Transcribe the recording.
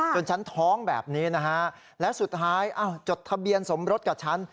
ฉันท้องแบบนี้นะฮะและสุดท้ายจดทะเบียนสมรสกับฉัน